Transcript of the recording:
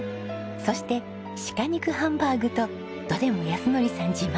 そして鹿肉ハンバーグとどれも靖憲さん自慢の味です。